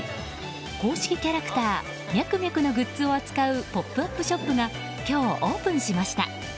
公式キャラクターミャクミャクのグッズを扱うポップアップショップが今日、オープンしました。